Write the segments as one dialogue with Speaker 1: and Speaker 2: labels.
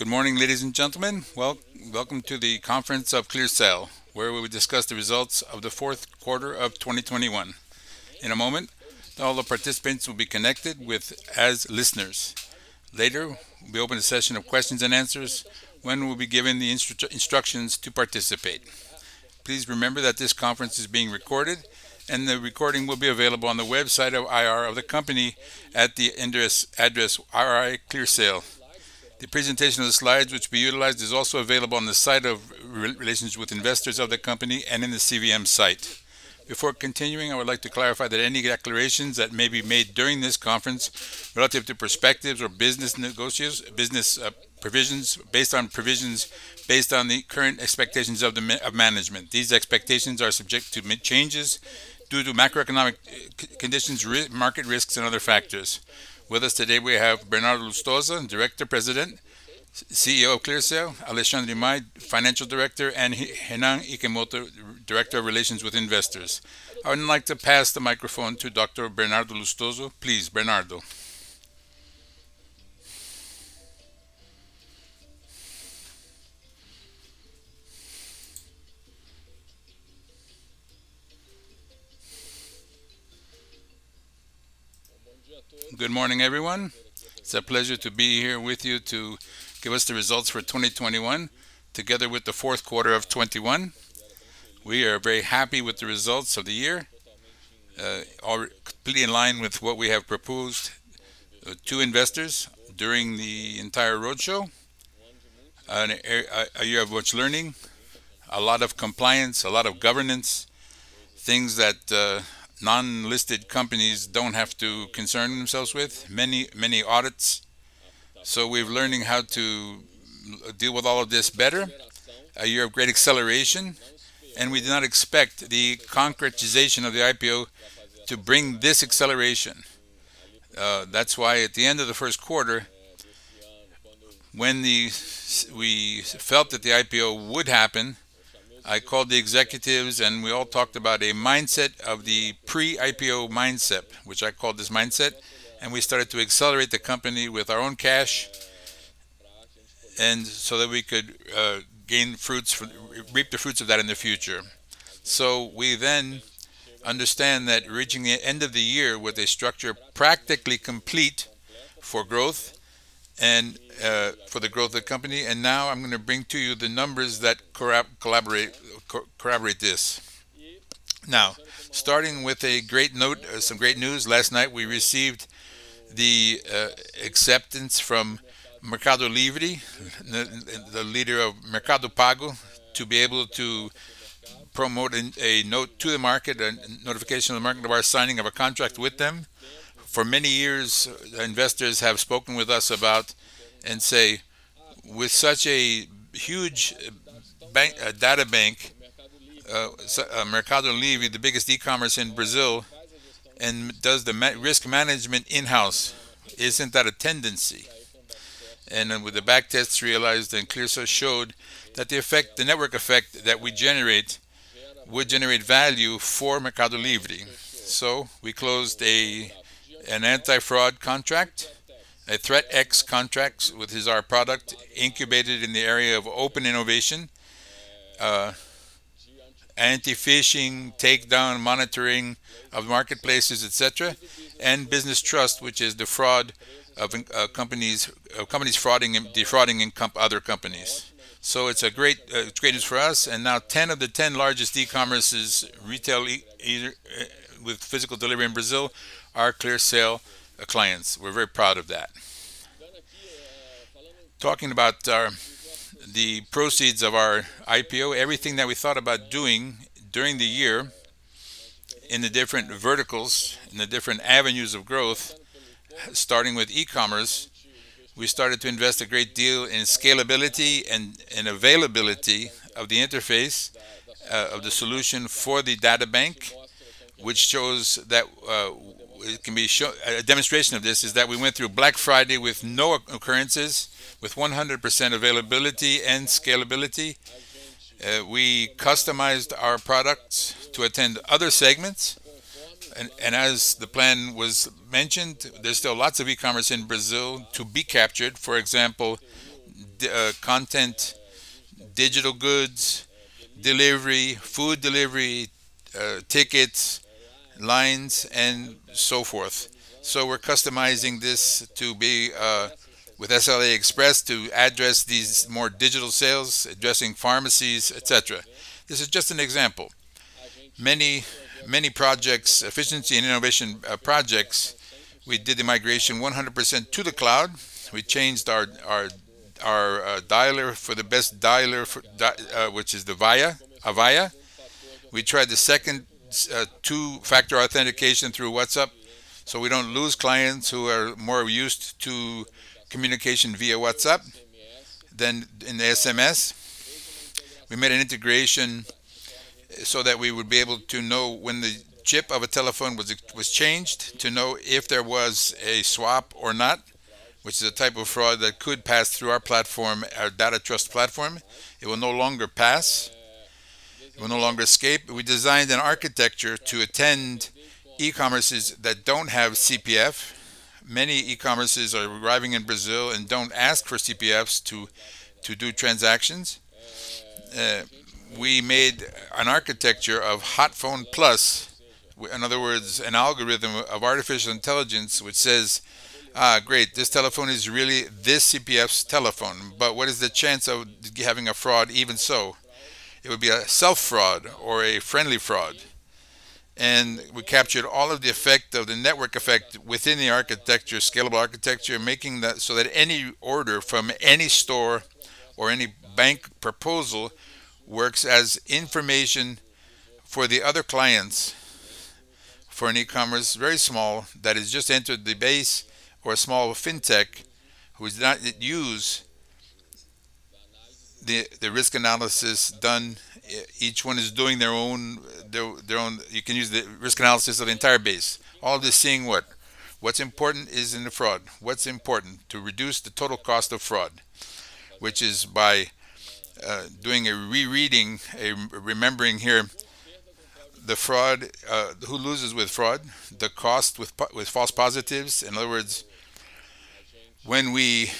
Speaker 1: Good morning, ladies and gentlemen. Welcome to the conference of ClearSale, where we will discuss the results of the Q4 of 2021. In a moment, all the participants will be connected as listeners. Later, we'll open a session of questions and answers when we'll be given the instructions to participate. Please remember that this conference is being recorded and the recording will be available on the website of IR of the company at the address ri.clearsale. The presentation of the slides which we utilized is also available on the site of relations with investors of the company and in the CVM site. Before continuing, I would like to clarify that any declarations that may be made during this conference relative to perspectives or business negotiations, business provisions based on the current expectations of management. These expectations are subject to changes due to macroeconomic conditions, market risks and other factors. With us today, we have Bernardo Lustosa, Director President, CEO of ClearSale, Alexandre Mafra, Financial Director, and Renan Ikemoto, Investor Relations Director. I would like to pass the microphone to Dr. Bernardo Lustosa. Please, Bernardo.
Speaker 2: Good morning, everyone. It's a pleasure to be here with you to give us the results for 2021 together with the fourth quarter of 2021. We are very happy with the results of the year. They are completely in line with what we have proposed to investors during the entire roadshow. A year of much learning, a lot of compliance, a lot of governance, things that non-listed companies don't have to concern themselves with, many, many audits. We're learning how to deal with all of this better. A year of great acceleration, and we did not expect the concretization of the IPO to bring this acceleration. That's why at the end of the Q1, when we felt that the IPO would happen, I called the executives and we all talked about a mindset of the pre-IPO mindset, which I call this mindset, and we started to accelerate the company with our own cash and so that we could reap the fruits of that in the future. We then understand that reaching the end of the year with a structure practically complete for growth and for the growth of the company. Now I'm gonna bring to you the numbers that corroborate this. Now, starting with some great news. Last night we received the acceptance from Mercado Livre, the leader of Mercado Pago, to be able to promote a note to the market, a notification to the market of our signing of a contract with them. For many years, investors have spoken with us about and say, "With such a huge databank, Mercado Livre, the biggest e-commerce in Brazil, and does the risk management in-house, isn't that a tendency?" With the backtests realized and ClearSale showed that the network effect that we generate would generate value for Mercado Livre. We closed an anti-fraud contract, a ThreatX contract, which is our product incubated in the area of open innovation, anti-phishing, takedown monitoring of marketplaces, et cetera, and Business Trust, which is the fraud of companies defrauding other companies.
Speaker 3: It's great news for us. Now 10 of the 10 largest e-commerce retailers either with physical delivery in Brazil are ClearSale clients. We're very proud of that. Talking about the proceeds of our IPO, everything that we thought about doing during the year in the different verticals and the different avenues of growth, starting with e-commerce, we started to invest a great deal in scalability and availability of the interface of the solution for the databank, which shows that it can be shown. A demonstration of this is that we went through Black Friday with no occurrences, with 100% availability and scalability. We customized our products to attend other segments. As the plan was mentioned, there's still lots of e-commerce in Brazil to be captured. For example, content, digital goods, delivery, food delivery, tickets, lines, and so forth. We're customizing this to be with SLA Express to address these more digital sales, addressing pharmacies, et cetera. This is just an example. Many projects, efficiency and innovation projects. We did the migration 100% to the cloud. We changed our dialer for the best dialer, which is the Avaya. We tried the two-factor authentication through WhatsApp so we don't lose clients who are more used to communication via WhatsApp than in SMS. We made an integration so that we would be able to know when the chip of a telephone was changed to know if there was a swap or not, which is a type of fraud that could pass through our platform, our Data Trust platform. It will no longer pass. We will no longer escape. We designed an architecture to attend e-commerces that don't have CPF. Many e-commerces are arriving in Brazil and don't ask for CPFs to do transactions. We made an architecture of hot phone plus, in other words, an algorithm of artificial intelligence which says, "Ah, great, this telephone is really this CPF's telephone." But what is the chance of having a fraud even so? It would be a self-fraud or a friendly fraud. We captured all of the effect of the network effect within the architecture, scalable architecture, making that so that any order from any store or any bank proposal works as information for the other clients for an e-commerce very small that has just entered the base or a small fintech who has not yet used the risk analysis done. Each one is doing their own. You can use the risk analysis of the entire base. All this seeing what? What's important is in the fraud. What's important to reduce the total cost of fraud, which is by doing a rereading, remembering here the fraud, who loses with fraud, the cost with false positives. In other words, when we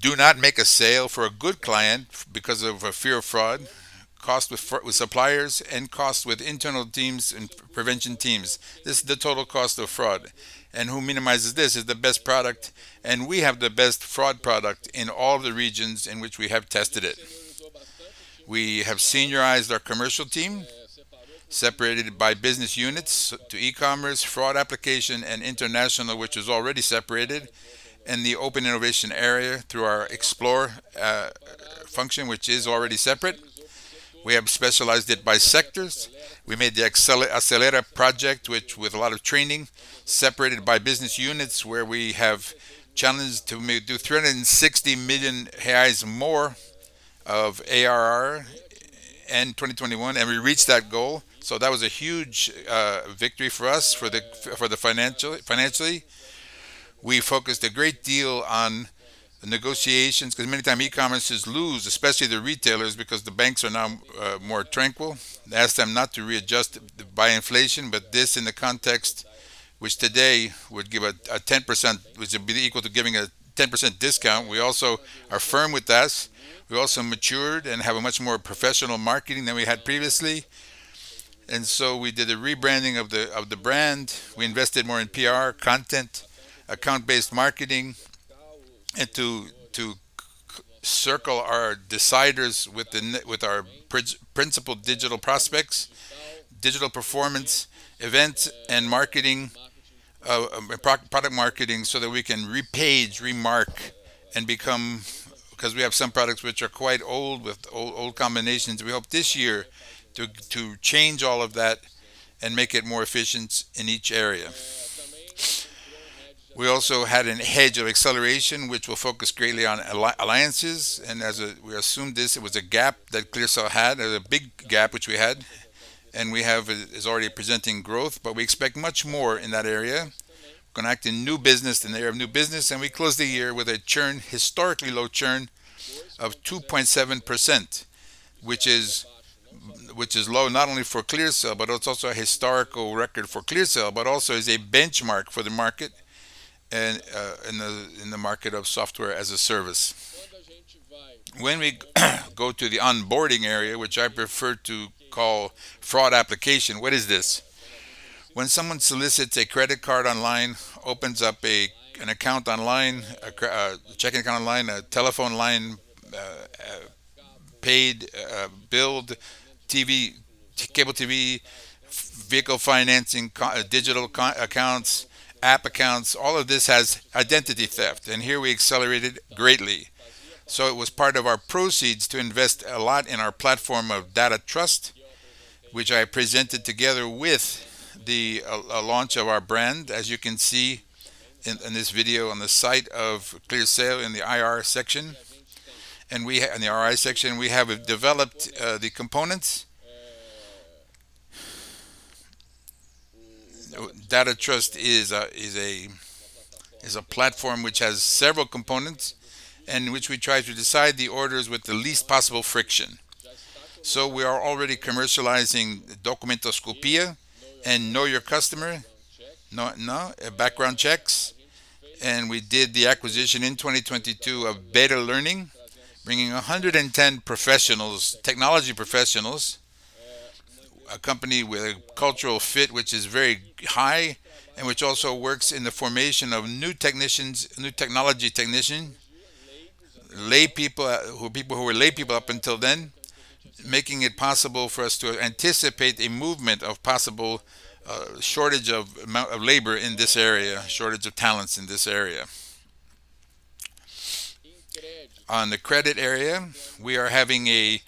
Speaker 3: do not make a sale for a good client because of a fear of fraud, cost with suppliers and cost with internal teams and prevention teams. This is the total cost of fraud. Who minimizes this is the best product, and we have the best fraud product in all the regions in which we have tested it. We have seniorized our commercial team, separated by business units to e-commerce, fraud application, and international, which is already separated, and the open innovation area through our Explore function, which is already separate. We have specialized it by sectors. We made the Acelera project, which with a lot of training, separated by business units, where we challenged to do 360 million reais more of ARR in 2021, and we reached that goal. That was a huge victory for us financially. We focused a great deal on negotiations 'cause many times e-commerces lose, especially the retailers, because the banks are now more tranquil. They ask them not to readjust by inflation, but this in the context which today would give a 10%, which would be equal to giving a 10% discount. We also are firmer within us. We also matured and have a much more professional marketing than we had previously. We did a rebranding of the brand. We invested more in PR, content, account-based marketing, and to encircle our decision makers with our principal digital prospects, digital performance, events and marketing, product marketing, so that we can reengage, remarket, and become. Because we have some products which are quite old with old combinations. We hope this year to change all of that and make it more efficient in each area. We also had Acelera which will focus greatly on alliances, and as we assumed this, it was a gap that ClearSale had, a big gap which we had, and it is already presenting growth, but we expect much more in that area. Gonna act in new business in the area of new business, we closed the year with a historically low churn of 2.7%, which is low not only for ClearSale, but it's also a historical record for ClearSale, but also is a benchmark for the market and in the market of software as a service. When we go to the onboarding area, which I prefer to call fraud application, what is this? When someone solicits a credit card online, opens up an account online, a checking account online, a telephone line, pay TV, cable TV, vehicle financing, digital accounts, app accounts, all of this has identity theft, and here we accelerated greatly. It was part of our proceeds to invest a lot in our platform of Data Trust, which I presented together with the launch of our brand, as you can see in this video on the site of ClearSale in the IR section. In the IR section, we have developed the components. Data Trust is a platform which has several components and which we try to define the orders with the least possible friction. We are already commercializing Documentoscopia and Know Your Customer and background checks. We did the acquisition in 2022 of Beta Learning, bringing 110 professionals, technology professionals, a company with a cultural fit which is very high and which also works in the formation of new technicians, new technology technician, laypeople, people who were laypeople up until then, making it possible for us to anticipate a movement of possible, shortage of amount of labor in this area, shortage of talents in this area. On the credit area, we are having a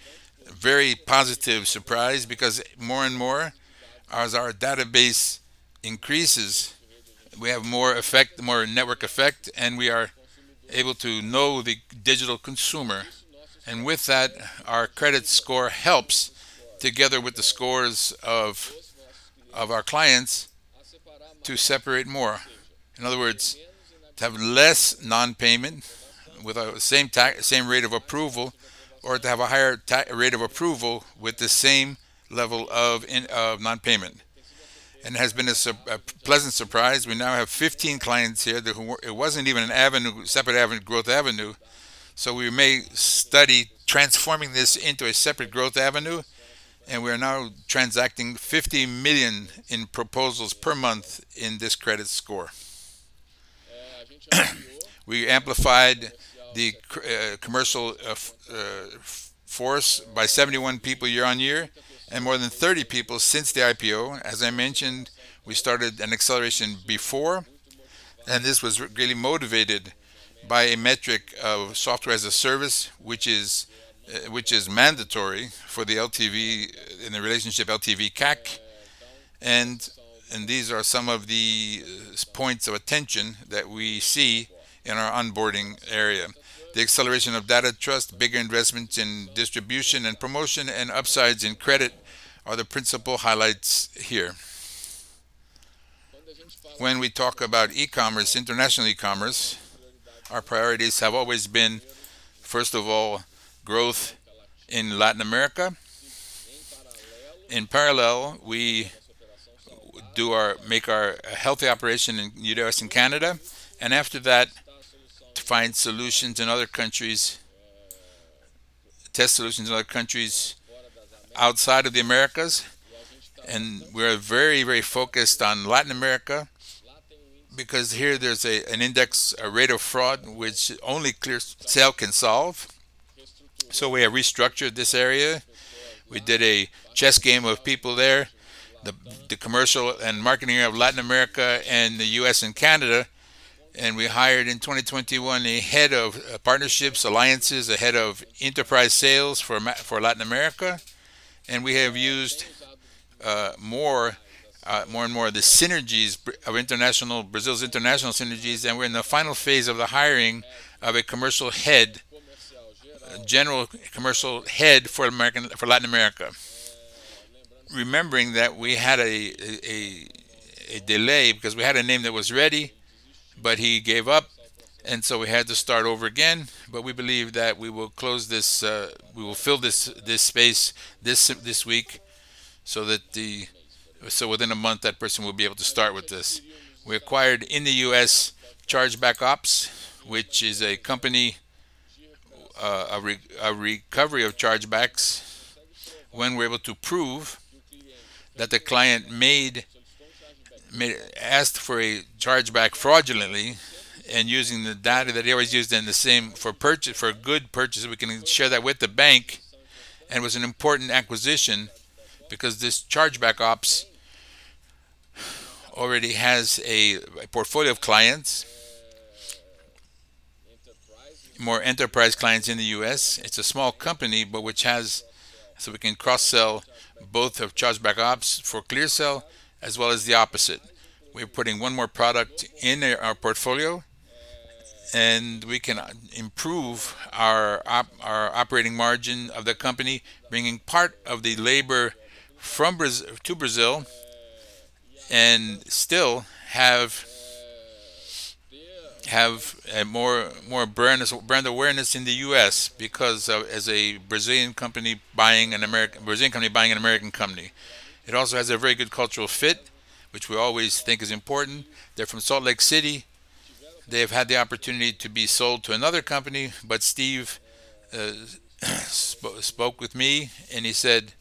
Speaker 3: very positive surprise because more and more as our database increases, we have more effect, more network effect, and we are able to know the digital consumer. With that, our credit score helps together with the scores of our clients to separate more. In other words, to have less non-payment with the same rate of approval or to have a higher rate of approval with the same level of non-payment. It has been a pleasant surprise. We now have 15 clients here that it wasn't even a separate growth avenue. We may study transforming this into a separate growth avenue, and we are now transacting 50 million in proposals per month in this credit score. We amplified the commercial force by 71 people year-over-year and more than 30 people since the IPO. As I mentioned, we started an acceleration before, and this was really motivated by a metric of software as a service, which is mandatory for the LTV in the relationship LTV/CAC. These are some of the points of attention that we see in our onboarding area. The acceleration of Data Trust, bigger investments in distribution and promotion, and upsides in credit are the principal highlights here. When we talk about e-commerce, international e-commerce, our priorities have always been, first of all, growth in Latin America. In parallel, we do make our healthy operation in United States and Canada, and after that, to find solutions in other countries, test solutions in other countries outside of the Americas. We're very, very focused on Latin America because here there's a, an index, a rate of fraud which only ClearSale can solve. We have restructured this area. We did a chess game of people there, the commercial and marketing of Latin America and the US and Canada. We hired in 2021 a head of partnerships, alliances, a head of enterprise sales for Latin America. We have used more and more of the synergies of Brazil's international synergies, and we're in the final phase of the hiring of a commercial head, a general commercial head for Latin America. Remembering that we had a delay because we had a name that was ready, but he gave up, and so we had to start over again. We believe that we will fill this space this week so within a month that person will be able to start with this. We acquired in the U.S. Chargeback Ops, which is a company, a recovery of chargebacks when we're able to prove that the client asked for a chargeback fraudulently and using the data that he always used in the same for a good purchase, we can share that with the bank. It was an important acquisition because this Chargeback Ops already has a portfolio of clients, more enterprise clients in the U.S. It's a small company, but which has. So we can cross-sell both of Chargebackps for ClearSale as well as the opposite. We're putting one more product in our portfolio, and we can improve our operating margin of the company, bringing part of the labor to Brazil and still have a more brand awareness in the U.S. as a Brazilian company buying an American company. It also has a very good cultural fit, which we always think is important. They're from Salt Lake City. They've had the opportunity to be sold to another company, but Steve spoke with me, and he said,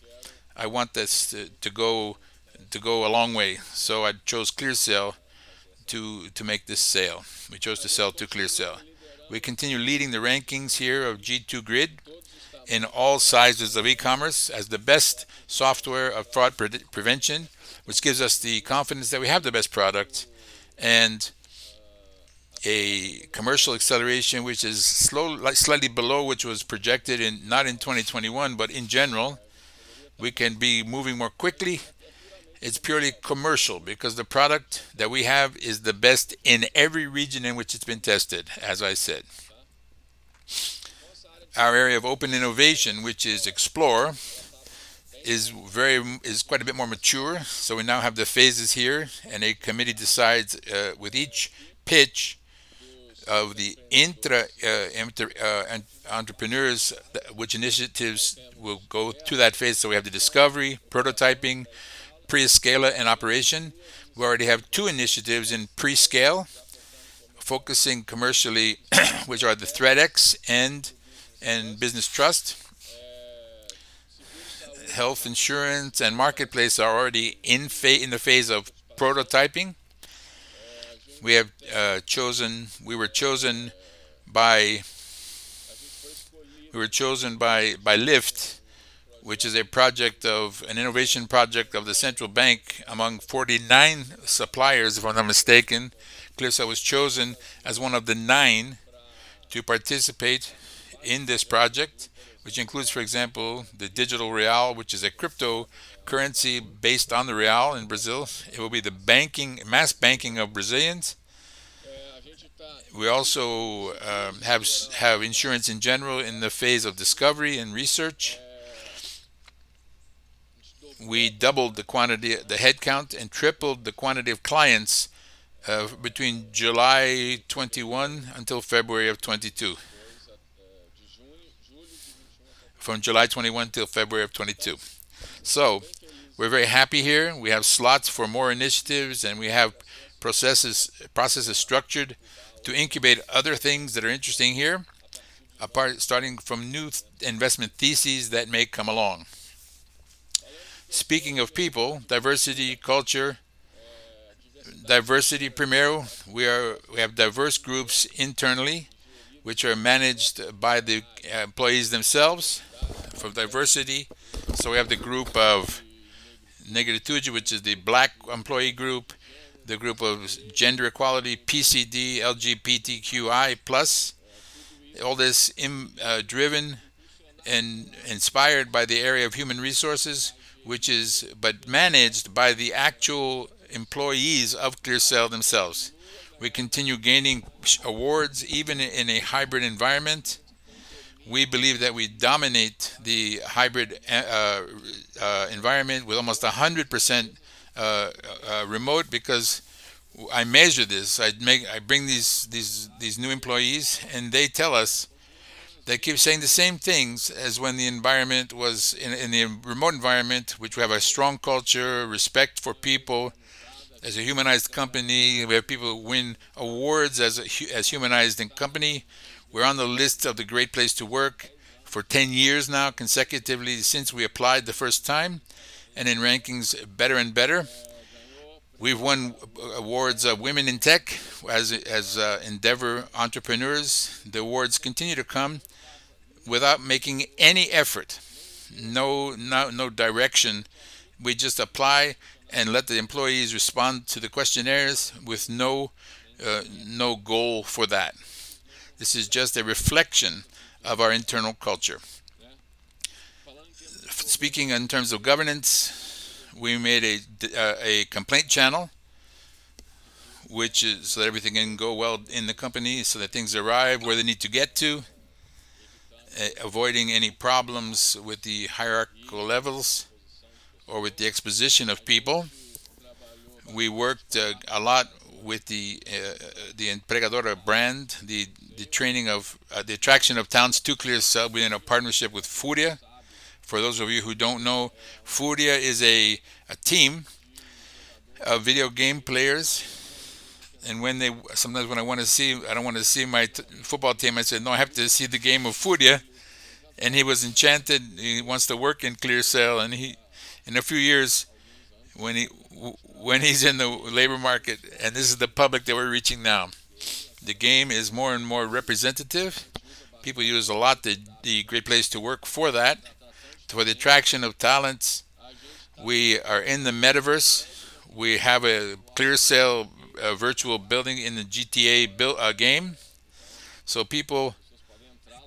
Speaker 3: "I want this to go a long way." So I chose ClearSale to make this sale. We chose to sell to ClearSale. We continue leading the rankings here of G2 Grid in all sizes of e-commerce as the best software of fraud prevention, which gives us the confidence that we have the best product and a commercial acceleration which is slightly below which was projected in not in 2021, but in general. We can be moving more quickly. It's purely commercial because the product that we have is the best in every region in which it's been tested, as I said. Our area of open innovation, which is Explore, is quite a bit more mature. We now have the phases here, and a committee decides with each pitch of the entrepreneurs which initiatives will go through that phase. We have the discovery, prototyping, pre-scale, and operation. We already have two initiatives in pre-scale focusing commercially, which are the ThreatX and Business Trust. Health insurance and marketplace are already in the phase of prototyping. We were chosen by LIFT, which is an innovation project of the central bank among 49 suppliers, if I'm not mistaken. ClearSale was chosen as one of the nine to participate in this project, which includes, for example, the digital real, which is a cryptocurrency based on the real in Brazil. It will be mass banking of Brazilians. We also have insurance in general in the phase of discovery and research. We doubled the headcount and tripled the quantity of clients between July 2021 until February 2022. We're very happy here. We have slots for more initiatives, and we have processes structured to incubate other things that are interesting here, starting from new investment theses that may come along. Speaking of people, diversity, culture, diversity first. We have diverse groups internally which are managed by the employees themselves for diversity. We have the group of Negritude, which is the Black employee group, the group of gender equality, PCD, LGBTQI+. All this driven and inspired by the area of human resources, which is but managed by the actual employees of ClearSale themselves. We continue gaining awards even in a hybrid environment. We believe that we dominate the hybrid environment with almost 100% remote because I measure this. I bring these new employees and they tell us they keep saying the same things as when the environment was in the remote environment, which we have a strong culture, respect for people as a humanized company. We have people win awards as a humanized company. We're on the list of the Great Place to Work for 10 years now consecutively since we applied the first time, and in rankings better and better. We've won awards of Women in Tech as Endeavor entrepreneurs. The awards continue to come without making any effort. No direction. We just apply and let the employees respond to the questionnaires with no goal for that. This is just a reflection of our internal culture. Speaking in terms of governance, we made a complaint channel which is so that everything can go well in the company, so that things arrive where they need to get to, avoiding any problems with the hierarchical levels or with the exposure of people. We worked a lot with the employer brand, the training of the attraction of talents to ClearSale. We're in a partnership with FURIA. For those of you who don't know, FURIA is a team of video game players. Sometimes when I don't want to see my football team, I say, "No, I have to see the game of FURIA." He was enchanted. He wants to work in ClearSale and in a few years when he, when he's in the labor market, and this is the public that we're reaching now. The game is more and more representative. People use a lot the Great Place To Work for that, for the attraction of talents. We are in the metaverse. We have a ClearSale virtual building in the GTA game, so people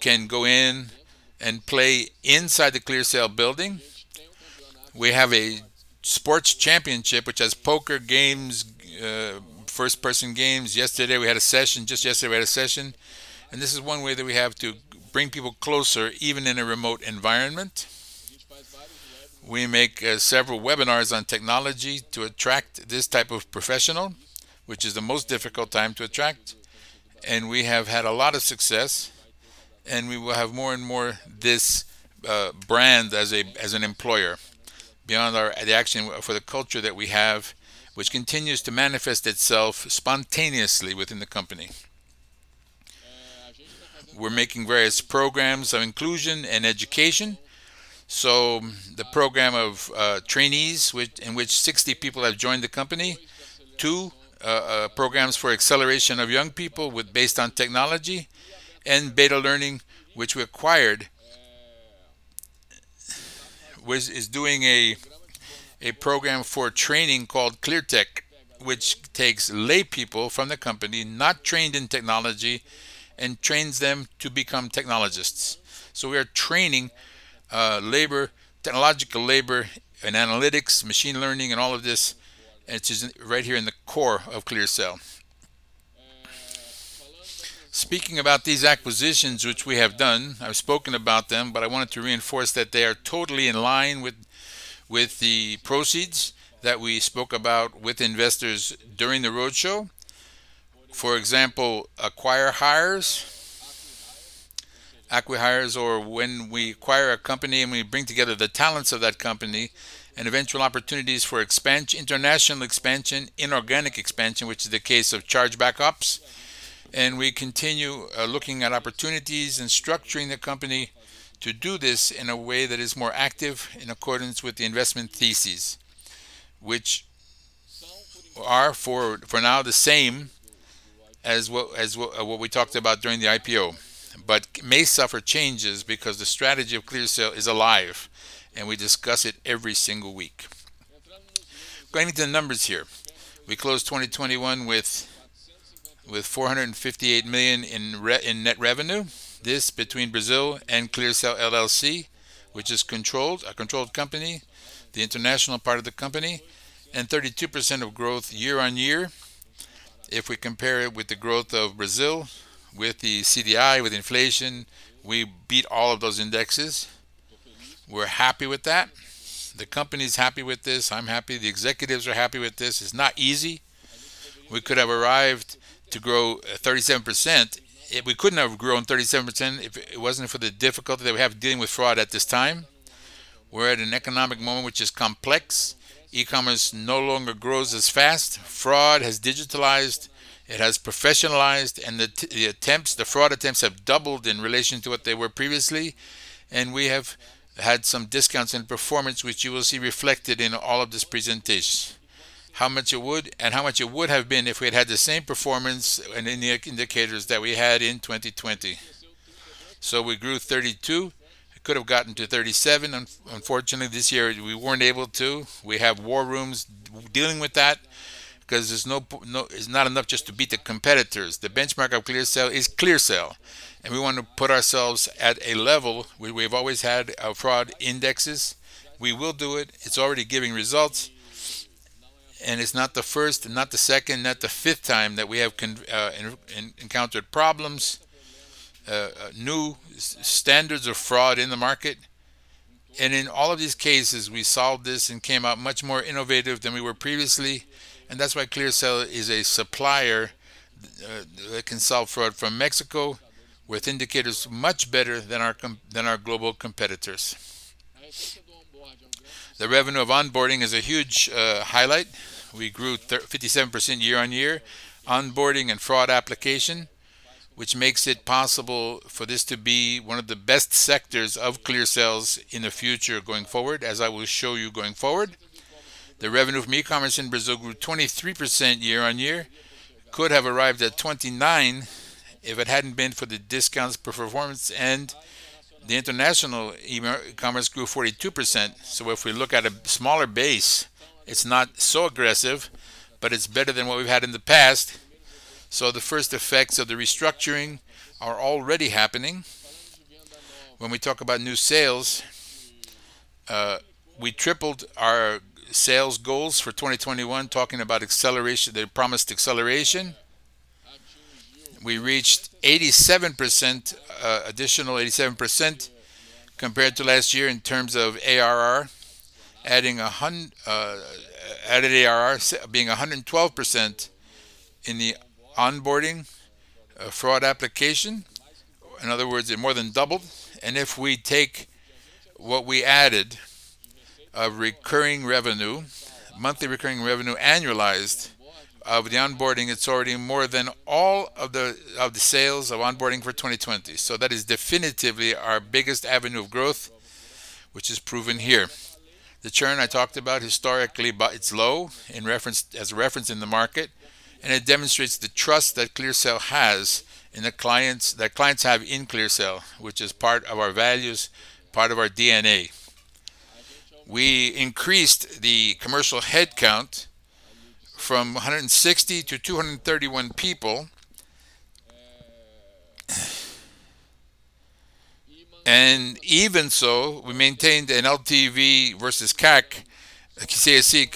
Speaker 3: can go in and play inside the ClearSale building. We have a sports championship which has poker games, first-person games. Yesterday we had a session. Just yesterday we had a session, and this is one way that we have to bring people closer, even in a remote environment. We make several webinars on technology to attract this type of professional, which is the most difficult time to attract, and we have had a lot of success, and we will have more and more this brand as an employer beyond the action for the culture that we have which continues to manifest itself spontaneously within the company. We're making various programs of inclusion and education, the program of trainees in which 60 people have joined the company. Two programs for acceleration of young people based on technology and Beta Learning which we acquired is doing a program for training called ClearTech, which takes laypeople from the company not trained in technology and trains them to become technologists. We are training technological labor in analytics, machine learning, and all of this, and it is right here in the core of ClearSale. Speaking about these acquisitions which we have done, I've spoken about them, but I wanted to reinforce that they are totally in line with the proceeds that we spoke about with investors during the roadshow. For example, acqui-hires or when we acquire a company and we bring together the talents of that company and eventual opportunities for international expansion, inorganic expansion, which is the case of ChargebackOps. We continue looking at opportunities and structuring the company to do this in a way that is more active in accordance with the investment theses, which are for now the same as what we talked about during the IPO, but may suffer changes because the strategy of ClearSale is alive and we discuss it every single week. Going into the numbers here. We closed 2021 with 458 million in net revenue. This between Brazil and ClearSale LLC, which is controlled, a controlled company, the international part of the company, and 32% of growth year-on-year. If we compare it with the growth of Brazil, with the CDI, with inflation, we beat all of those indexes. We're happy with that. The company's happy with this. I'm happy. The executives are happy with this. It's not easy. We could have arrived to grow 37%. We couldn't have grown 37% if it wasn't for the difficulty that we have dealing with fraud at this time. We're at an economic moment which is complex. E-commerce no longer grows as fast. Fraud has digitalized, it has professionalized, and the fraud attempts have doubled in relation to what they were previously. We have had some discounts in performance which you will see reflected in all of this presentation. How much it would have been if we'd had the same performance and in the indicators that we had in 2020. We grew 32%. It could have gotten to 37%. Unfortunately, this year we weren't able to. We have war rooms dealing with that 'cause it's not enough just to beat the competitors. The benchmark of ClearSale is ClearSale, and we wanna put ourselves at a level where we've always had our fraud indexes. We will do it. It's already giving results, and it's not the first and not the second, not the fifth time that we have encountered problems, new standards of fraud in the market. In all of these cases, we solved this and came out much more innovative than we were previously, and that's why ClearSale is a supplier that can solve fraud from Mexico with indicators much better than our than our global competitors. The revenue of onboarding is a huge highlight. We grew 57%YoY. Onboarding and fraud application, which makes it possible for this to be one of the best sectors of ClearSale's in the future going forward, as I will show you going forward. The revenue from e-commerce in Brazil grew 23% YoY. Could have arrived at 29% if it hadn't been for the discounts per performance and the international e-commerce grew 42%. If we look at a smaller base, it's not so aggressive, but it's better than what we've had in the past. The first effects of the restructuring are already happening. When we talk about new sales, we tripled our sales goals for 2021, talking about acceleration, the promised acceleration. We reached 87%, additional 87% compared to last year in terms of ARR, added ARR being 112% in the onboarding, fraud application. In other words, it more than doubled. If we take what we added of recurring revenue, monthly recurring revenue annualized of the onboarding, it's already more than all of the sales of onboarding for 2020. That is definitively our biggest avenue of growth, which is proven here. The churn I talked about historically, by its low as a reference in the market, and it demonstrates the trust that clients have in ClearSale, which is part of our values, part of our DNA. We increased the commercial headcount from 160 to 231 people. Even so, we maintained an LTV versus CAC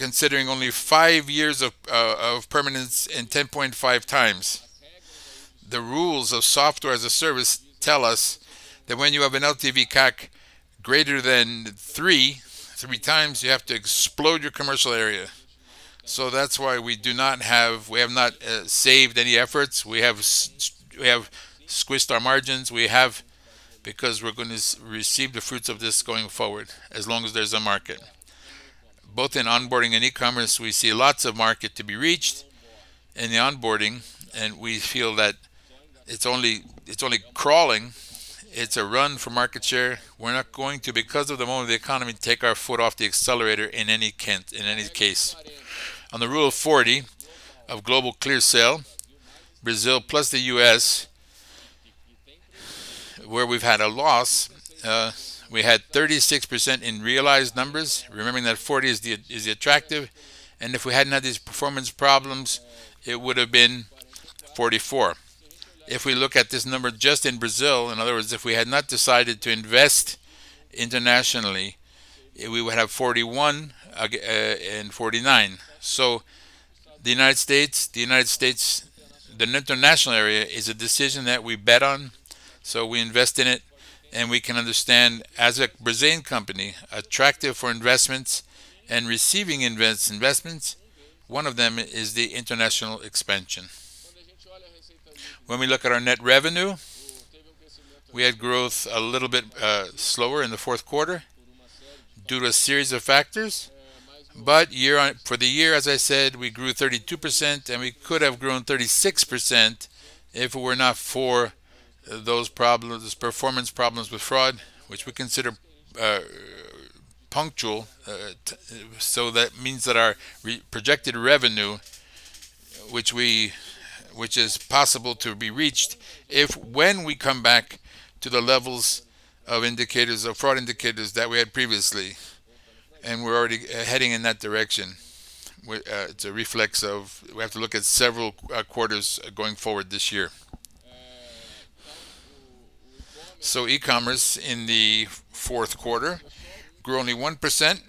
Speaker 3: considering only 5 years of permanence and 10.5 times. The rules of software as a service tell us that when you have an LTV CAC greater than three times, you have to explode your commercial area. That's why we have not saved any efforts. We have squeezed our margins because we're gonna receive the fruits of this going forward, as long as there's a market. Both in onboarding and e-commerce, we see lots of market to be reached in the onboarding, and we feel that it's only crawling. It's a run for market share. We're not going to, because of the moment of the economy, take our foot off the accelerator in any case. On the Rule of 40 of global ClearSale, Brazil plus the U.S., where we've had a loss, we had 36% in realized numbers, remembering that 40 is the attractive. If we hadn't had these performance problems, it would have been 44. If we look at this number just in Brazil, in other words, if we had not decided to invest internationally, we would have 41 and 49. The United States, the international area is a decision that we bet on, so we invest in it, and we can understand as a Brazilian company, attractive for investments and receiving investments, one of them is the international expansion. When we look at our net revenue, we had growth a little bit slower in the fourth quarter due to a series of factors. For the year, as I said, we grew 32%, and we could have grown 36% if it were not for those problems, those performance problems with fraud, which we consider punctual. That means that our projected revenue, which is possible to be reached if when we come back to the levels of indicators, of fraud indicators that we had previously, and we're already heading in that direction. It's a reflection of we have to look at several quarters going forward this year. E-commerce in the fourth quarter grew only 1%.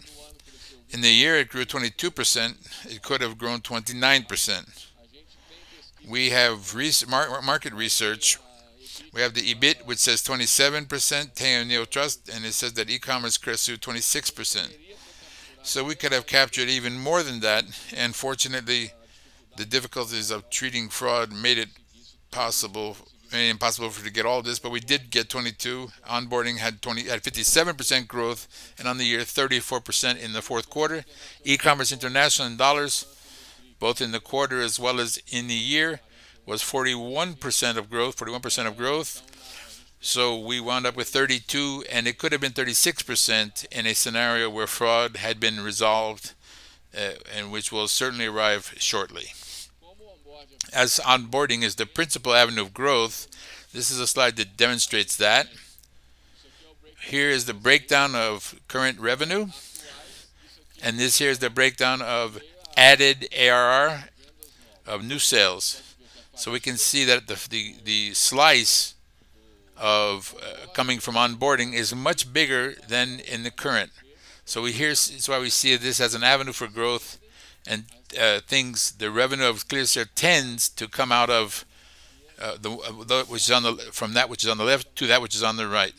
Speaker 3: In the year, it grew 22%. It could have grown 29%. We have market research. We have the Ebit which says 27%, NielsenIQ|Ebit, and it says that e-commerce grew to 26%. We could have captured even more than that. Unfortunately, the difficulties of treating fraud made it impossible for us to get all this, but we did get 22%. Onboarding had 57% growth, and on the year, 34% in the Q4. E-commerce international in dollars, both in the quarter as well as in the year, was 41% growth. We wound up with 32%, and it could have been 36% in a scenario where fraud had been resolved, and which will certainly arrive shortly. As onboarding is the principal avenue of growth, this is a slide that demonstrates that. Here is the breakdown of current revenue, and this here is the breakdown of added ARR of new sales. We can see that the slice of coming from onboarding is much bigger than in the current. Here we see why we see this as an avenue for growth and the revenue of ClearSale tends to come from that which is on the left to that which is on the right.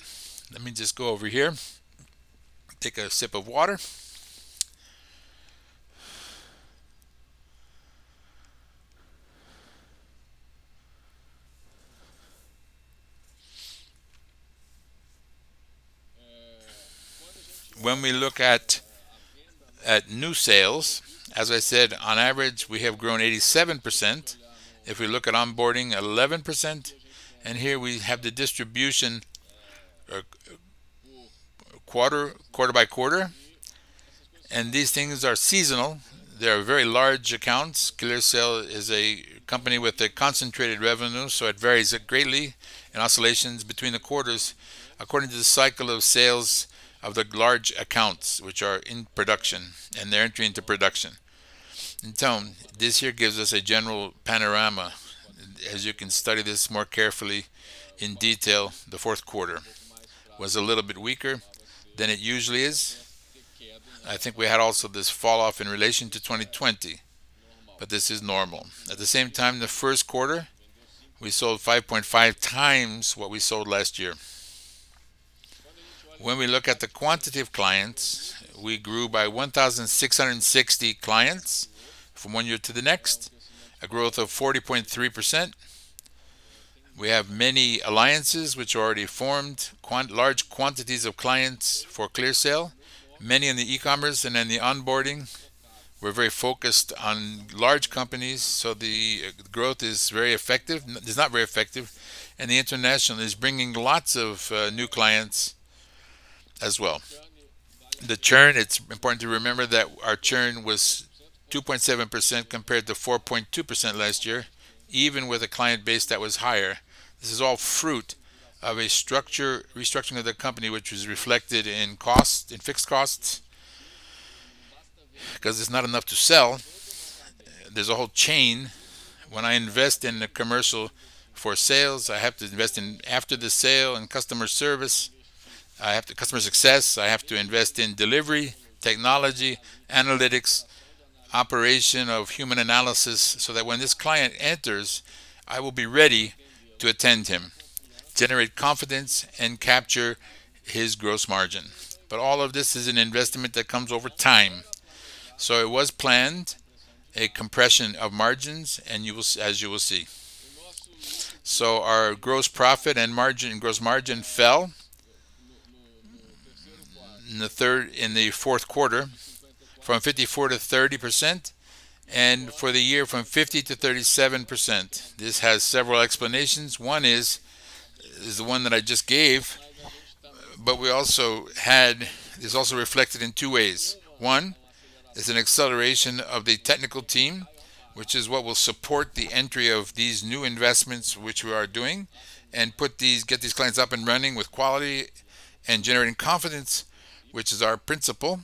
Speaker 3: Let me just go over here. Take a sip of water. When we look at new sales, as I said, on average, we have grown 87%. If we look at onboarding, 11%. Here we have the distribution quarter by quarter. These things are seasonal. They are very large accounts. ClearSale is a company with a concentrated revenue, so it varies greatly in oscillations between the quarters according to the cycle of sales of the large accounts which are in production, and they're entering into production. This here gives us a general panorama. As you can study this more carefully in detail, the fourth quarter was a little bit weaker than it usually is. I think we had also this fall off in relation to 2020, but this is normal. At the same time, the first quarter, we sold 5.5 times what we sold last year. When we look at the quantity of clients, we grew by 1,660 clients from one year to the next, a growth of 40.3%. We have many alliances which are already formed, large quantities of clients for ClearSale, many in the e-commerce and in the onboarding. We're very focused on large companies, so the growth is very effective. No, it's not very effective, and the international is bringing lots of new clients as well. It's important to remember that our churn was 2.7% compared to 4.2% last year, even with a client base that was higher. This is all fruit of a restructuring of the company which was reflected in fixed costs. 'Cause it's not enough to sell. There's a whole chain. When I invest in the commercial for sales, I have to invest in after the sale and customer service, customer success. I have to invest in delivery, technology, analytics, operation of human analysis, so that when this client enters, I will be ready to attend him, generate confidence, and capture his gross margin. All of this is an investment that comes over time. It was planned, a compression of margins, and, as you will see. Our gross margin fell in the fourth quarter from 54%-30%, and for the year from 50%-37%. This has several explanations. One is the one that I just gave, but it's also reflected in two ways. One is an acceleration of the technical team, which is what will support the entry of these new investments which we are doing and get these clients up and running with quality and generating confidence, which is our principle.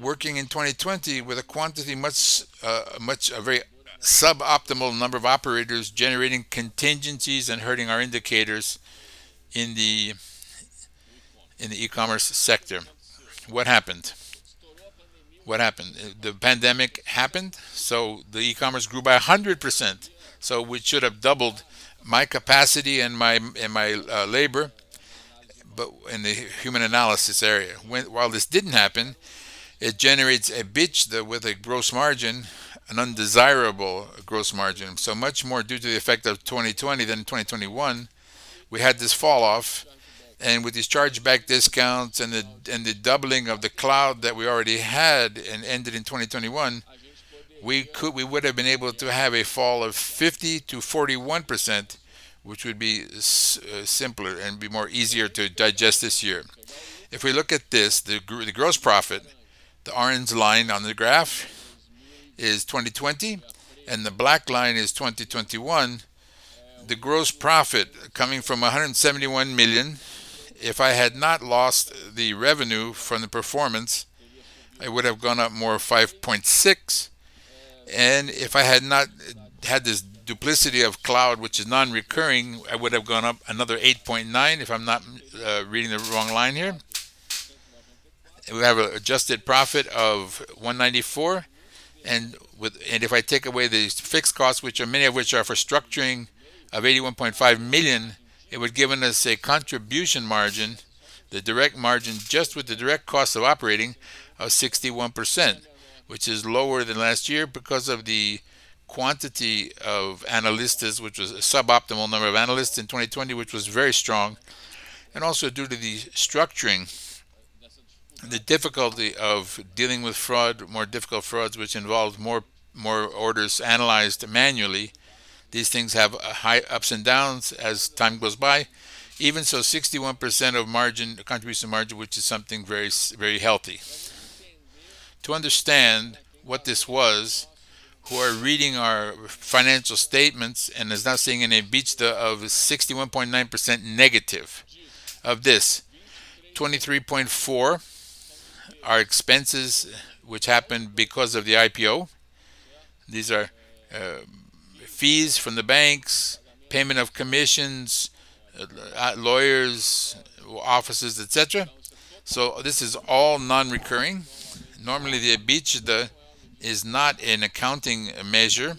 Speaker 3: Working in 2020 with a quantity much, a very suboptimal number of operators generating contingencies and hurting our indicators in the e-commerce sector. What happened? The pandemic happened, so the e-commerce grew by 100%. We should have doubled my capacity and my labor but in the human analysis area. While this didn't happen, it generates a breach that with a gross margin, an undesirable gross margin. Much more due to the effect of 2020 than in 2021, we had this fall off, and with these chargeback discounts and the doubling of the cloud that we already had and ended in 2021, we would have been able to have a fall of 50%-41%, which would be simpler and more easier to digest this year. If we look at this, the gross profit, the orange line on the graph is 2020, and the black line is 2021. The gross profit coming from 171 million. If I had not lost the revenue from the performance, it would have gone up more 5.6 million. If I had not had this duplicity of cloud, which is non-recurring, I would have gone up another 8.9 million if I'm not reading the wrong line here. We have an adjusted profit of 194 million, and if I take away these fixed costs, many of which are for structuring of 81.5 million, it would given us a contribution margin, the direct margin just with the direct cost of operating of 61%. Which is lower than last year because of the quantity of analysts, which was a suboptimal number of analysts in 2020, which was very strong, and also due to the structuring, the difficulty of dealing with fraud, more difficult frauds, which involved more orders analyzed manually. These things have high ups and downs as time goes by. Even so, 61% contribution margin, which is something very healthy. To understand what this was, who are reading our financial statements and is now seeing an EBITDA of -61.9%. Of this, 23.4% are expenses which happened because of the IPO. These are fees from the banks, payment of commissions, lawyers, offices, etc. So this is all non-recurring. Normally, the EBITDA is not an accounting measure.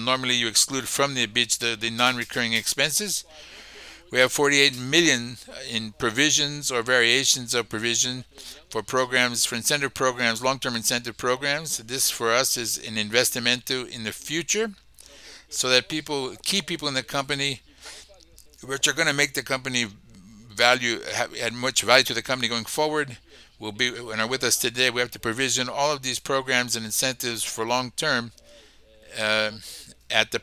Speaker 3: Normally you exclude from the EBITDA the non-recurring expenses. We have 48 million in provisions or variations of provision for incentive programs, long-term incentive programs. This, for us, is an investment in the future so that key people in the company which are gonna add much value to the company going forward are with us today. We have to provision all of these programs and incentives for long-term at the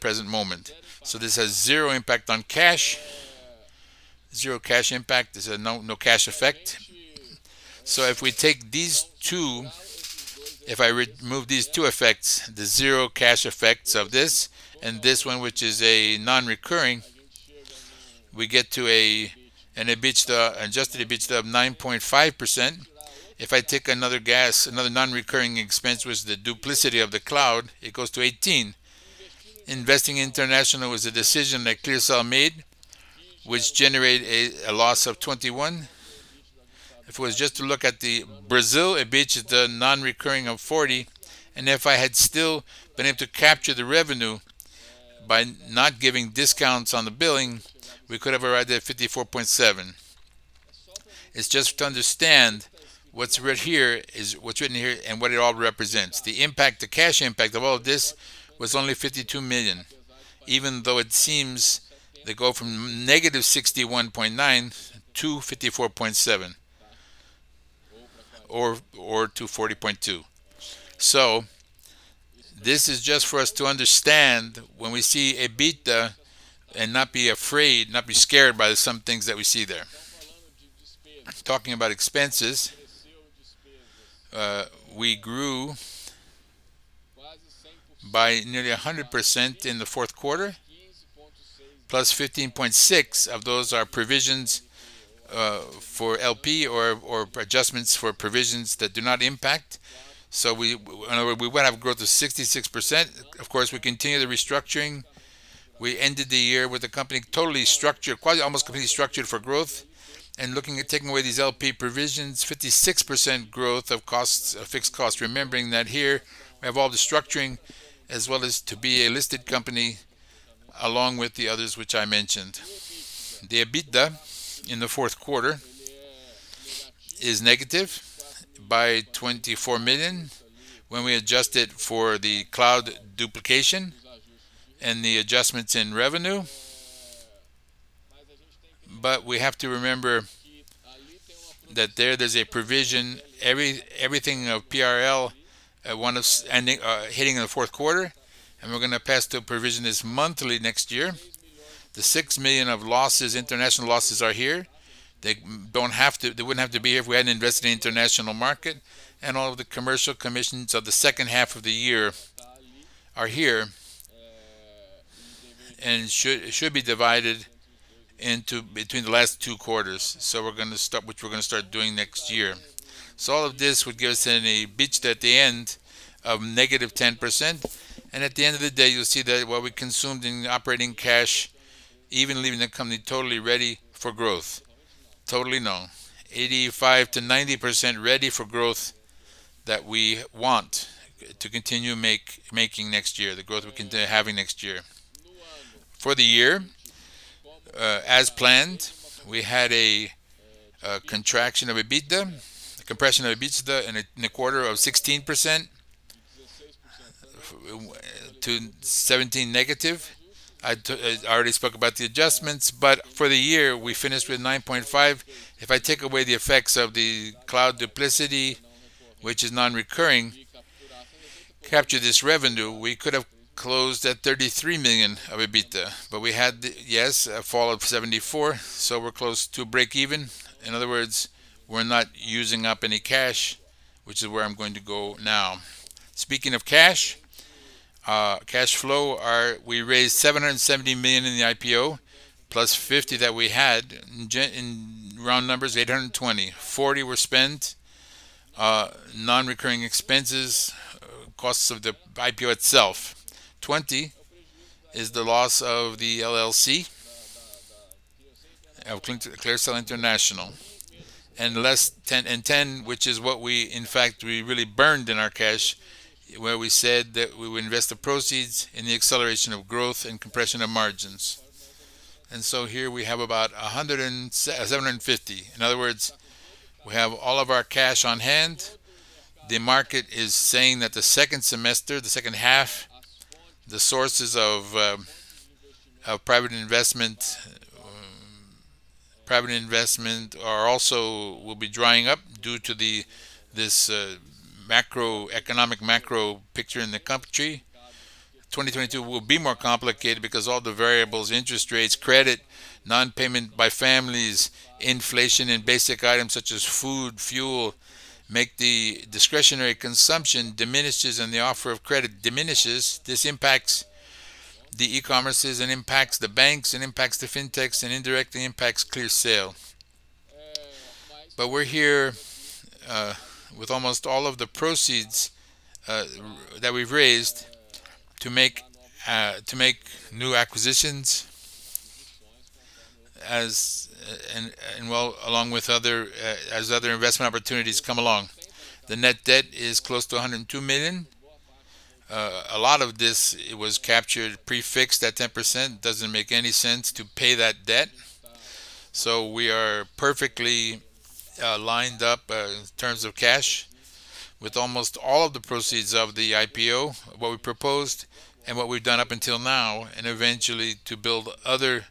Speaker 3: present moment. This has zero impact on cash. Zero cash impact. There's no cash effect. If we take these two, if I remove these two effects, the zero cash effects of this and this one, which is a non-recurring, we get to an adjusted EBITDA of 9.5%. If I take another non-recurring expense was the duplication of the cloud, it goes to 18%. Investing international was a decision that ClearSale made which generated a loss of 21. If it was just to look at the Brazil EBITDA non-recurring of 40, and if I had still been able to capture the revenue by not giving discounts on the billing, we could have arrived at 54.7. It's just to understand what's written here and what it all represents. The cash impact of all of this was only 52 million, even though it seems to go from -61.9 to 54.7 or to 40.2. This is just for us to understand when we see EBITDA and not be afraid, not be scared by some things that we see there. Talking about expenses, we grew by nearly 100% in the fourth quarter, plus 15.6 of those are provisions for PLR or adjustments for provisions that do not impact. We, in other words, we would have growth of 66%. Of course, we continue the restructuring. We ended the year with the company totally structured, quite almost completely structured for growth. Looking at taking away these PLR provisions, 56% growth of costs of fixed costs, remembering that here we have all the structuring as well as to be a listed company along with the others which I mentioned. The EBITDA in the fourth quarter is negative by 24 million when we adjust it for the cloud duplication and the adjustments in revenue. We have to remember that there's a provision everything of PLR, one is hitting in the fourth quarter, and we're gonna pass the provision as monthly next year. The $6 million of losses, international losses are here. They wouldn't have to be here if we hadn't invested in international market and all of the commercial commissions of the second half of the year are here, and should be divided between the last two quarters. We're gonna start doing next year. All of this would give us an EBITDA at the end of negative 10%. At the end of the day, you'll see that what we consumed in operating cash even leaving the company totally ready for growth. Totally no. 85%-90% ready for growth that we want to continue making next year, the growth we continue having next year. For the year, as planned, we had a contraction of EBITDA, a compression of EBITDA in a quarter of -16% to -17%. I already spoke about the adjustments, but for the year, we finished with 9.5 million. If I take away the effects of the cloud duplicity, which is non-recurring, capture this revenue, we could have closed at 33 million of EBITDA. But we had a fall of 74%, so we're close to breakeven. In other words, we're not using up any cash, which is where I'm going to go now. Speaking of cash flow, we raised 770 million in the IPO plus 50 million that we had. In round numbers, 820. 40 were spent, non-recurring expenses, costs of the IPO itself. 20 is the loss of the ClearSale LLC. Less ten and ten, which is what we, in fact, really burned in our cash, where we said that we would invest the proceeds in the acceleration of growth and compression of margins. Here we have about 750. In other words, we have all of our cash on hand. The market is saying that the second semester, the second half, the sources of private investment will also be drying up due to this macroeconomic picture in the country. 2022 will be more complicated because all the variables, interest rates, credit, non-payment by families, inflation in basic items such as food, fuel, make the discretionary consumption diminishes and the offer of credit diminishes. This impacts the e-commerces and impacts the banks and impacts the fintechs and impacts ClearSale. We're here with almost all of the proceeds that we've raised to make new acquisitions as well as other investment opportunities come along. The net debt is close to 102 million. A lot of this was captured prefixed at 10%. Doesn't make any sense to pay that debt. We are perfectly lined up in terms of cash with almost all of the proceeds of the IPO, what we proposed and what we've done up until now, and eventually to build other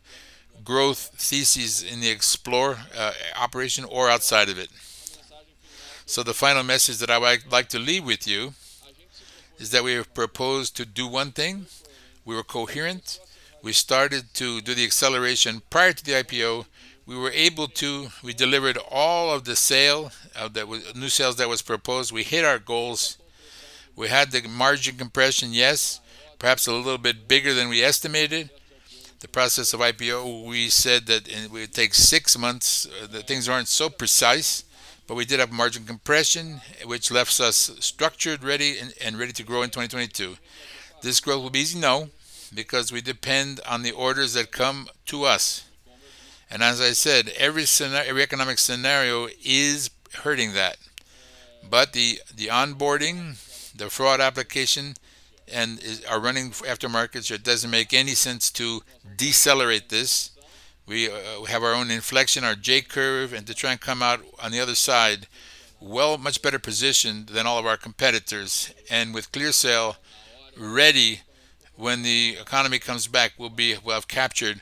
Speaker 3: growth theses in the Explore operation or outside of it. The final message that I would like to leave with you is that we have proposed to do one thing. We were coherent. We started to do the acceleration prior to the IPO. We delivered all of the new sales that was proposed. We hit our goals. We had the margin compression, yes, perhaps a little bit bigger than we estimated.
Speaker 1: The process of IPO, we said that it would take six months, that things aren't so precise, but we did have margin compression, which left us structured, ready, and ready to grow in 2022. This growth will be easy? No, because we depend on the orders that come to us. As I said, every economic scenario is hurting that. The onboarding, the fraud application and are running after markets. It doesn't make any sense to decelerate this. We have our own inflection, our J-curve, and to try and come out on the other side well much better positioned than all of our competitors. With ClearSale ready when the economy comes back, we'll have captured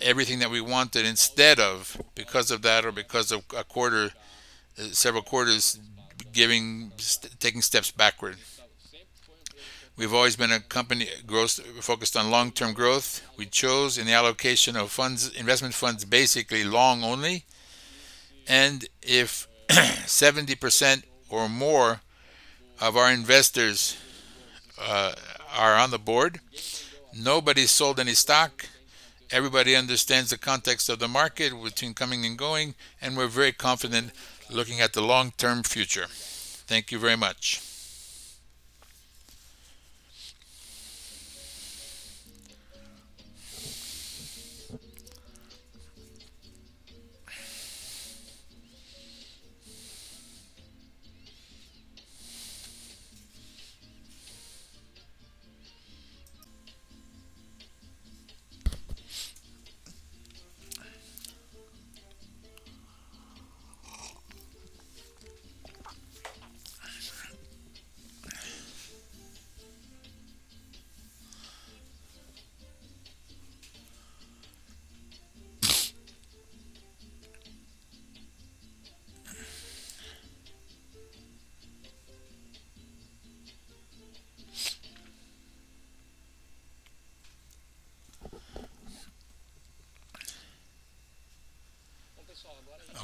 Speaker 1: everything that we wanted instead of because of that or because of a quarter, several quarters taking steps backward.
Speaker 3: We've always been a company focused on long-term growth. We chose in the allocation of funds, investment funds, basically long only. If 70% or more of our investors are on the board, nobody's sold any stock. Everybody understands the context of the market between coming and going, and we're very confident looking at the long-term future. Thank you very much.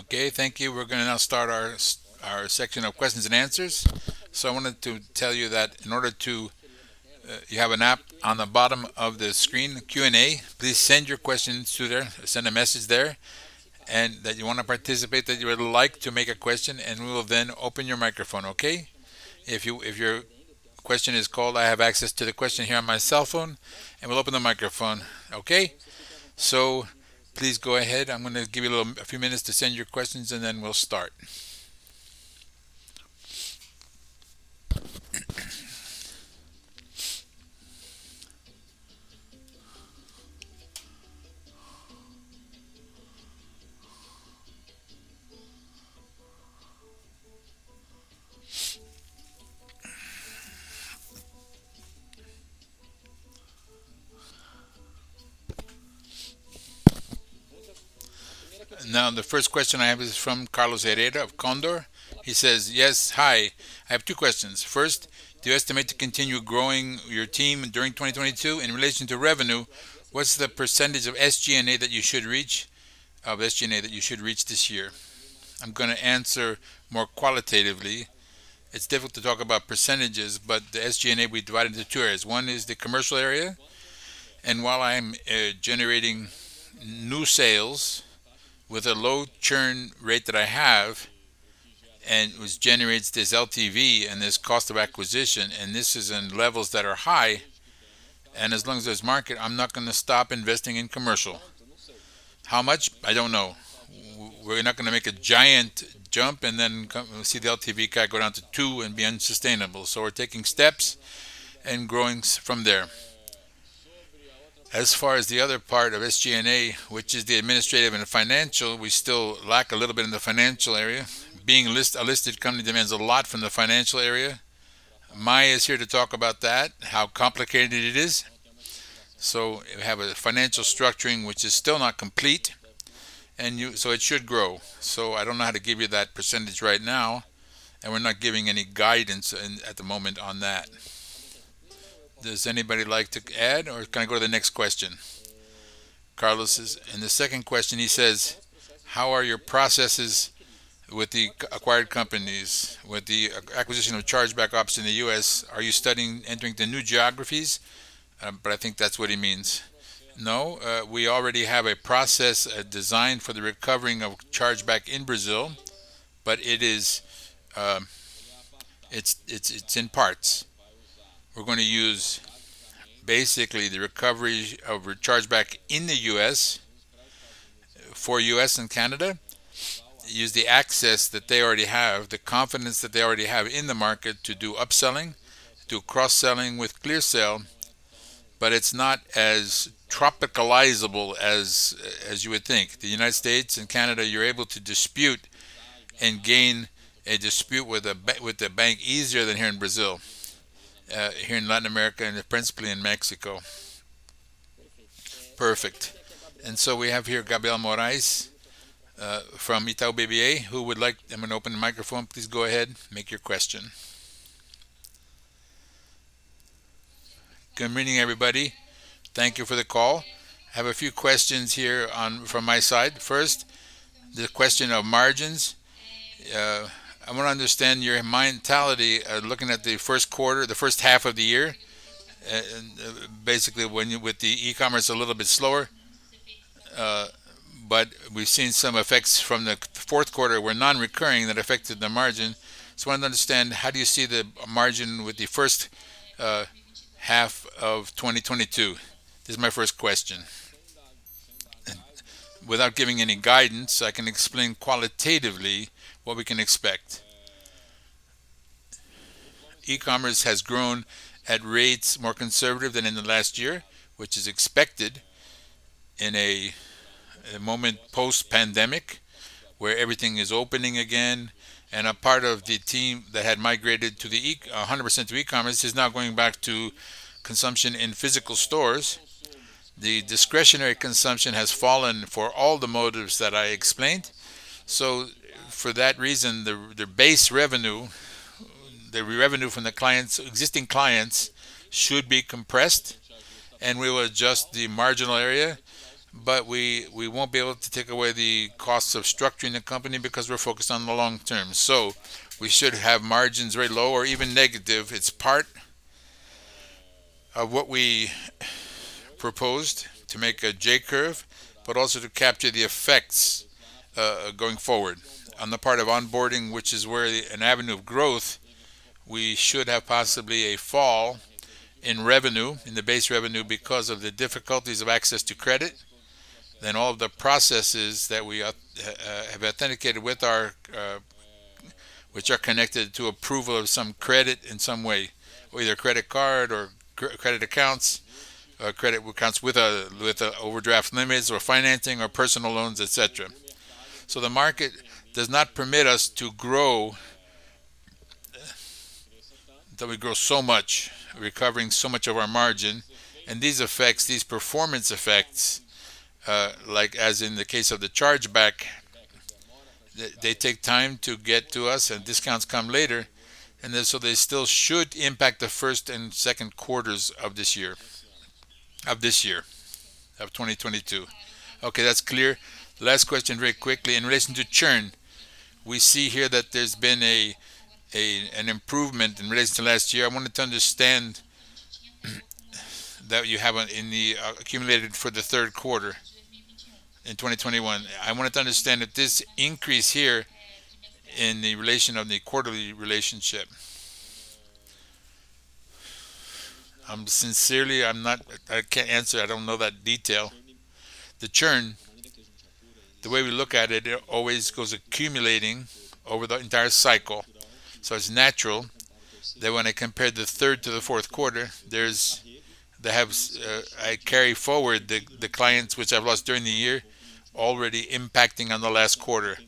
Speaker 3: Okay, thank you. We're gonna now start our section of questions and answers. I wanted to tell you that in order to you have an app on the bottom of the screen, Q&A. Please send your questions to there. Send a message there, and that you wanna participate, that you would like to make a question, and we will then open your microphone, okay?
Speaker 2: If your question is called, I have access to the question here on my cell phone, and we'll open the microphone. Okay? Please go ahead. I'm gonna give you a few minutes to send your questions, and then we'll start. Now, the first question I have is from Carlos Herrera of Condor Insider. He says, "Yes. Hi. I have two questions. First, do you estimate to continue growing your team during 2022? In relation to revenue, what's the percentage of SG&A that you should reach this year?" I'm gonna answer more qualitatively. It's difficult to talk about percentages, but the SG&A we divided into two areas.
Speaker 3: One is the commercial area, and while I'm generating new sales with a low churn rate that I have, and which generates this LTV and this cost of acquisition, and this is in levels that are high, and as long as there's market, I'm not gonna stop investing in commercial. How much? I don't know. We're not gonna make a giant jump and then come see the LTV kind of go down to two and be unsustainable. So we're taking steps and growing from there. As far as the other part of SG&A, which is the administrative and financial, we still lack a little bit in the financial area. Being a listed company demands a lot from the financial area. Maya is here to talk about that, how complicated it is. We have a financial structuring, which is still not complete, and it should grow. I don't know how to give you that percentage right now, and we're not giving any guidance at the moment on that. Does anybody like to add, or can I go to the next question? Carlos Herrera, in the second question he says, "How are your processes with the acquired companies, with the acquisition of ChargebackOps in the U.S.? Are you studying entering the new geographies?" I think that's what he means. No. We already have a process designed for the recovering of chargeback in Brazil, but it is, it's in parts. We're gonna use basically the recovery of chargeback in the U.S. for U.S. and Canada, use the access that they already have, the confidence that they already have in the market to do upselling, do cross-selling with ClearSale, but it's not as tropicalizable as you would think. The United States and Canada, you're able to dispute and win a dispute with the bank easier than here in Brazil, here in Latin America, and principally in Mexico. Perfect. We have here Gabriel Morais from Itaú BBA, who would like. I'm gonna open the microphone. Please go ahead, make your question. Good morning, everybody. Thank you for the call. I have a few questions here from my side. First, the question of margins.
Speaker 2: I want to understand your mentality looking at the first quarter, the first half of the year, and basically with the e-commerce a little bit slower, but we've seen some effects from the Q4 were non-recurring that affected the margin. Just wanted to understand how do you see the margin with the first half of 2022? This is my first question. Without giving any guidance, I can explain qualitatively what we can expect. E-commerce has grown at rates more conservative than in the last year, which is expected in a moment post-pandemic, where everything is opening again, and a part of the team that had migrated to 100% to e-commerce is now going back to consumption in physical stores. The discretionary consumption has fallen for all the motives that I explained.
Speaker 3: For that reason, the base revenue, the revenue from the clients, existing clients should be compressed, and we will adjust the marginal area, but we won't be able to take away the costs of structuring the company because we're focused on the long term. We should have margins very low or even negative. It's part of what we proposed to make a J-curve, but also to capture the effects going forward. On the part of onboarding, which is where an avenue of growth, we should have possibly a fall in revenue, in the base revenue because of the difficulties of access to credit, then all the processes that we have authenticated with our which are connected to approval of some credit in some way, whether credit card or credit accounts with overdraft limits or financing or personal loans, et cetera. The market does not permit us to grow that we grow so much, recovering so much of our margin, and these effects, these performance effects, like as in the case of the chargeback, they take time to get to us and discounts come later. They still should impact the first and second quarters of this year, of 2022. Okay, that's clear. Last question very quickly. In relation to churn, we see here that there's been an improvement in relation to last year. I wanted to understand that you have in the accumulated for the third quarter in 2021. I wanted to understand that this increase here in the relation of the quarterly relationship. Sincerely, I can't answer. I don't know that detail. The churn, the way we look at it always goes accumulating over the entire cycle. It's natural that when I compare the third to the fourth quarter, I carry forward the clients which I've lost during the year already impacting on the last quarter.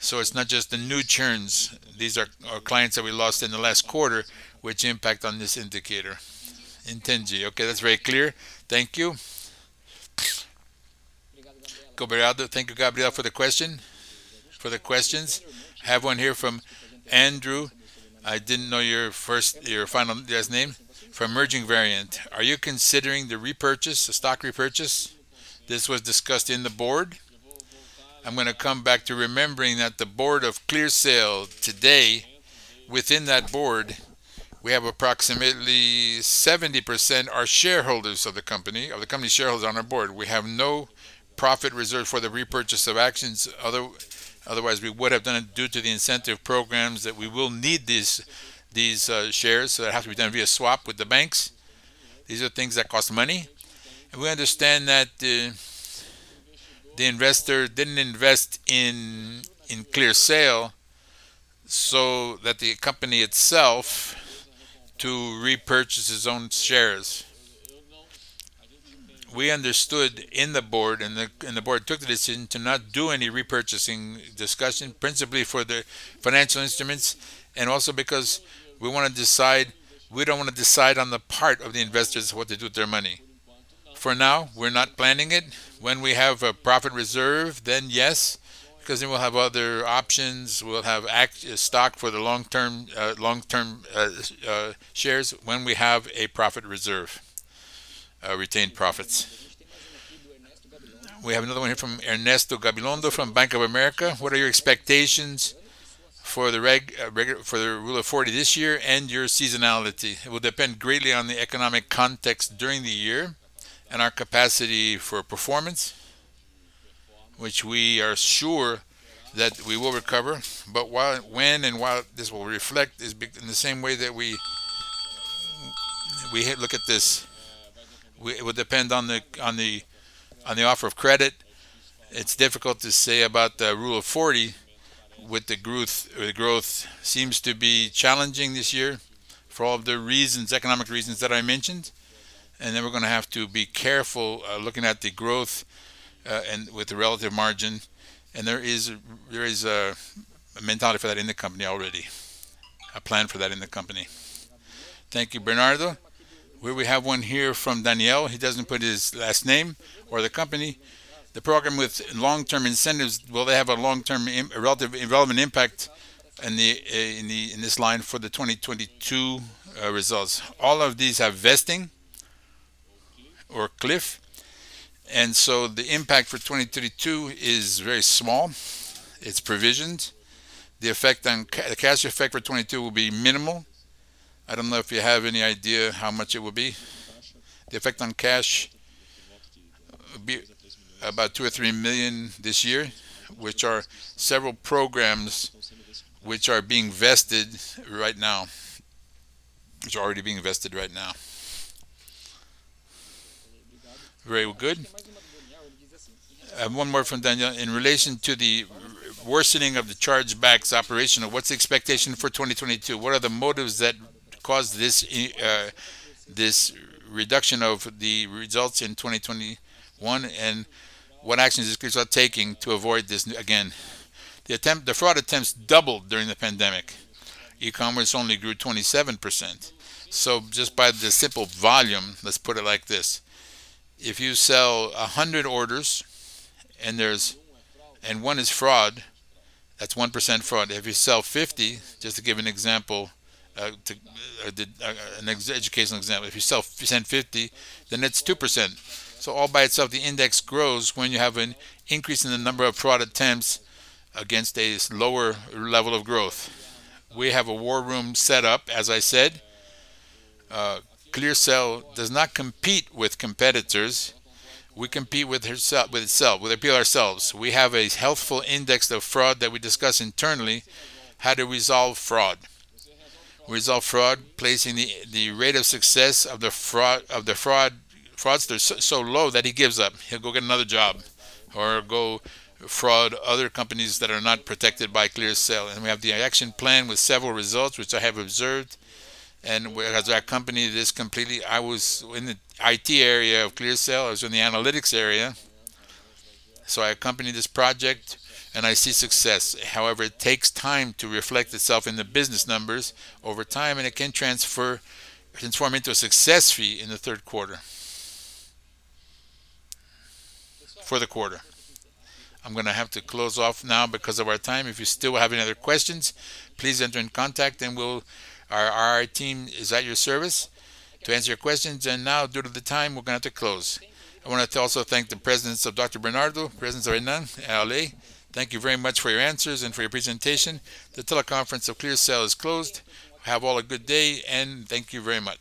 Speaker 3: It's not just the new churns. These are clients that we lost in the last quarter which impact on this indicator. [Entendi.] Okay, that's very clear.
Speaker 2: Thank you. Obrigado. Thank you, Gabriel, for the questions. Have one here from Andrew. I didn't know your final last name. From Emerging Variant: "Are you considering the repurchase, the stock repurchase? This was discussed in the board?" I'm gonna come back to remembering that the board of ClearSale today, within that board, we have approximately 70% are the company shareholders on our board. We have no profit reserve for the repurchase of shares otherwise we would have done it due to the incentive programs that we will need these shares, so it has to be done via swap with the banks. These are things that cost money. We understand that the investor didn't invest in ClearSale so that the company itself to repurchase its own shares.
Speaker 3: We understood in the board, the board took the decision to not do any repurchasing discussion, principally for the financial instruments and also because we don't wanna decide on the part of the investors what to do with their money. For now, we're not planning it. When we have a profit reserve, then yes, 'cause then we'll have other options. We'll have stock for the long-term shares when we have a profit reserve, retained profits. We have another one here from Ernesto Gachido from Bank of America: "What are your expectations for the Rule of 40 this year and your seasonality?" It will depend greatly on the economic context during the year and our capacity for performance, which we are sure that we will recover while...
Speaker 2: Whether this will reflect is in the same way that we look at this, it will depend on the offer of credit. It's difficult to say about the Rule of 40 with the growth. The growth seems to be challenging this year for all the economic reasons that I mentioned. Then we're gonna have to be careful looking at the growth and with the relative margin. There is a mentality for that in the company already, a plan for that in the company. Thank you, Bernardo. We have one here from Daniel. He doesn't put his last name or the company. The program with long-term incentives, will they have a long-term relevant impact in the in this line for the 2022 results?" All of these have vesting or cliff, the impact for 2022 is very small. It's provisioned. The effect on the cash effect for 2022 will be minimal. I don't know if you have any idea how much it will be. The effect on cash will be about 2 million-3 million this year, which are several programs which are being vested right now. Very good. I have one more from Daniel. "In relation to the worsening of the chargeback operations, what's the expectation for 2022? What are the motives that caused this reduction of the results in 2021, and what actions is ClearSale taking to avoid this again? The fraud attempts doubled during the pandemic. E-commerce only grew 27%. Just by the simple volume, let's put it like this. If you sell 100 orders and one is fraud, that's 1% fraud. If you sell 50, just to give an example, an educational example, if you sell 50, then it's 2%. All by itself, the index grows when you have an increase in the number of fraud attempts against a lower level of growth. We have a war room set up, as I said. ClearSale does not compete with competitors. We compete with itself, with ourselves. We have a healthy index of fraud that we discuss internally how to resolve fraud, placing the rate of success of the fraudsters so low that he gives up. He'll go get another job or go fraud other companies that are not protected by ClearSale. We have the action plan with several results, which I have observed and while I accompanied this completely. I was in the IT area of ClearSale. I was in the analytics area, so I accompanied this project and I see success. However, it takes time to reflect itself in the business numbers over time, and it can transform into a success fee in the Q3. For the quarter. I'm gonna have to close off now because of our time.
Speaker 1: If you still have any other questions, please get in contact and our team is at your service to answer your questions. Now due to the time, we're gonna have to close. I wanted to also thank the presence of Dr. Bernardo, presence of Renan, Ale. Thank you very much for your answers and for your presentation. The teleconference of ClearSale is closed. Have all a good day, and thank you very much.